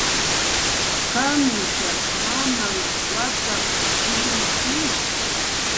"¿Qamishas mamam wakap"" uywki?"